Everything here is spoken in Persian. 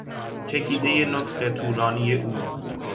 چکیدهی نطق طولانی او